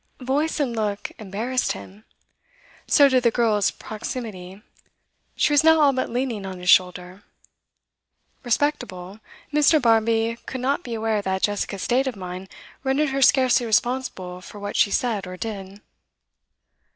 Voice and look embarrassed him. So did the girl's proximity; she was now all but leaning on his shoulder. Respectable Mr. Barmby could not be aware that Jessica's state of mind rendered her scarcely responsible for what she said or did.